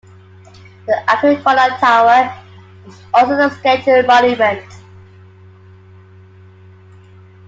The Agricola Tower is also a scheduled monument.